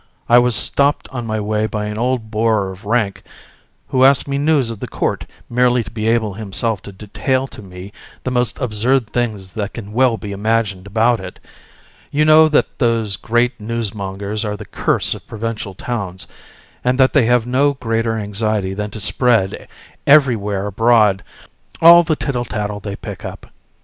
I was stopped on my way by an old bore of rank, who asked me news of the court, merely to be able himself to detail to me the most absurd things that can well be imagined about it. You know that those great newsmongers are the curse of provincial towns, and that they have no greater anxiety than to spread, everywhere abroad all the tittle tattle they pick up.